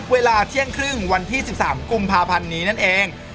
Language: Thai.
เวลาเที่ยงครึ่งวันที่๑๓กุมภาพันธ์นี้นั่นเอง